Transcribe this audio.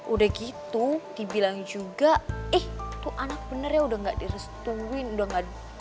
udah gitu dibilang juga eh itu anak bener ya udah gak direstuin udah gak